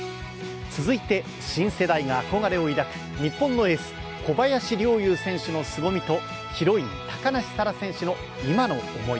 続いて新世代が憧れを抱く日本のエース・小林陵侑選手のすごみとヒロイン・高梨沙羅選手の今の思い